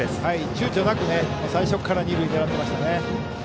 ちゅうちょなく最初から二塁狙ってましたね。